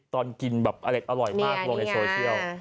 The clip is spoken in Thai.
ตอนกินแบบอเล็ดอร่อยมากลงในโซเชียล